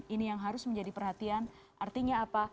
ini yang harus menjadi perhatian artinya apa